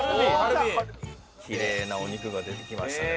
キレイなお肉が出てきましたね